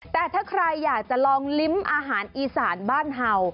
แต่ถ้าใครอยากจะลองลิ้มอาหารอีสานบ้านเห่า